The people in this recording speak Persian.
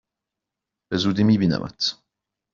به زودی می بینمت!